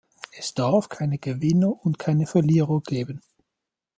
Es darf keine Gewinner und keine Verlierer geben.